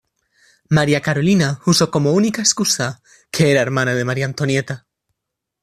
María Carolina usó como única excusa que era hermana de María Antonieta.